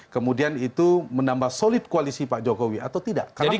kemudian itu menambah solid koalisi pak jokowi atau tidak